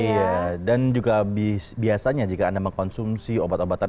iya dan juga biasanya jika anda mengkonsumsi obat obatan